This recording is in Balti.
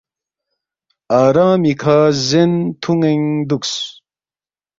آرامی کھہ زین تُھون٘ین دُوکس